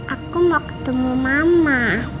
aku mau ketemu mama